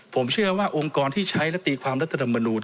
ผมเชื่อว่าองค์กรที่ใช้และตีความรัฐธรรมนูล